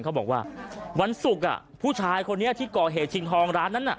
เขาบอกว่าวันศุกร์ผู้ชายคนนี้ที่ก่อเหตุชิงทองร้านนั้น